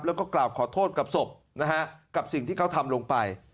แล้วก็กล่าวขอโทษกับศพนะฮะกับสิ่งที่เขาทำลงไป